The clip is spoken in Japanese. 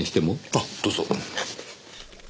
あっどうぞ。